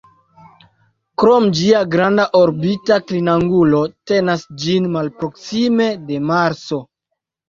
Krome, ĝia granda orbita klinangulo tenas ĝin malproksime de Marso.